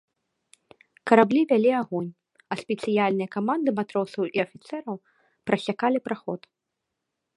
Караблі вялі агонь, а спецыяльныя каманды матросаў і афіцэраў прасякалі праход.